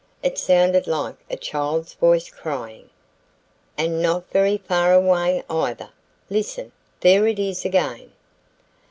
"It sounded like a child's voice, crying." "And not very far away, either. Listen; there it is again."